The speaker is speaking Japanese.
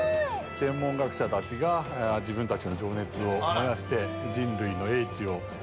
天文学者たちが自分たちの情熱を燃やして人類の英知を懸けて。